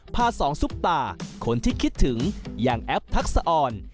พาสองซุปตาคนที่คิดถึงอย่างแอปทักษะอ่อน